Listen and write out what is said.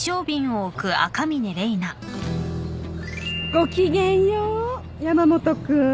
ごきげんよう山本君。